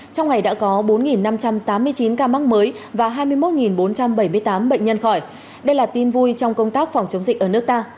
trong ngày đã có bốn năm trăm tám mươi chín ca mắc mới và hai mươi một bốn trăm bảy mươi tám bệnh nhân khỏi đây là tin vui trong công tác phòng chống dịch ở nước ta